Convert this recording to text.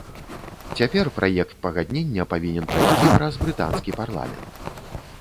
Цяпер праект пагаднення павінен прайсці праз брытанскі парламент.